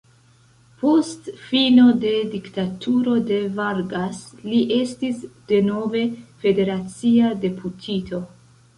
Post fino de diktaturo de Vargas li estis denove federacia deputito.